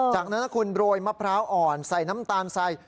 จากนั้นนะคุณโรยมะพร้าวอ่อนใส่น้ำตาลใส่